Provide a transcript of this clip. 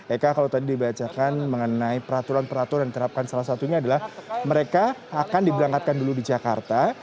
eka kalau tadi dibacakan mengenai peraturan peraturan yang diterapkan salah satunya adalah mereka akan diberangkatkan dulu di jakarta